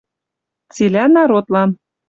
Цилӓ народлан